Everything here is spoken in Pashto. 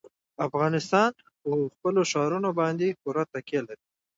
افغانستان په خپلو ښارونو باندې پوره تکیه لري.